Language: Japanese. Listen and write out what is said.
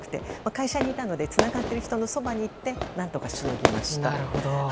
会社にいたのでつながっている人のそばに行って何とか、しのぎました。